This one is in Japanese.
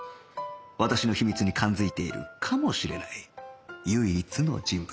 私の秘密に感づいているかもしれない唯一の人物